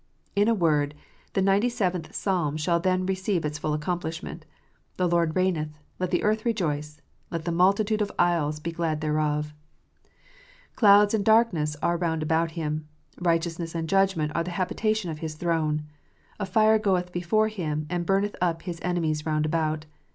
In a word, the ninety seventh Psalm shall then receive its full accomplishment : "The Lordreigneth : let the earth rejoice \ let the multitude of isles be glad thereof. Clouds and darkness are round about Him : righteousness and judgment are the habitation of His throne. A fire goeth before Him, and burneth up His enemies round about.